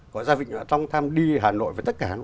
họ ra vịnh ở trong thăm đi hà nội với tất cả